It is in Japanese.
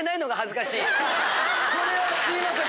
これはすいません